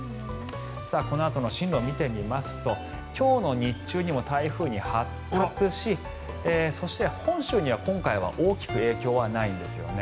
このあとの進路を見てみますと今日の日中にも台風に発達しそして、本州には今回は大きく影響はないんですよね。